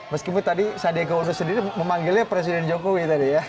meskipun tadi sandiaga uno sendiri memanggilnya presiden jokowi tadi ya